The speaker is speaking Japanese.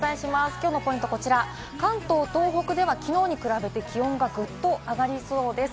きょうのポイントはこちら、関東、東北ではきのうに比べて気温がぐっと上がりそうです。